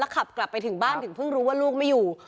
ขับกลับไปถึงบ้านถึงเพิ่งรู้ว่าลูกไม่อยู่